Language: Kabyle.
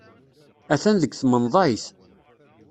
Atan deg tmenḍayt.